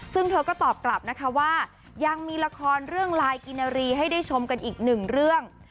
ซึ่งเธอก็ตอบกลับนะคะว่ายังมีละครเรื่องลายกินนารีให้ได้ชมกันอีกหนึ่งเรื่อง